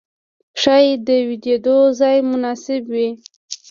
ښايې د ويدېدو ځای مناسب وي.